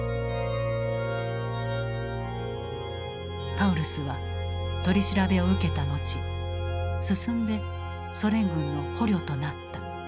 パウルスは取り調べを受けた後進んでソ連軍の捕虜となった。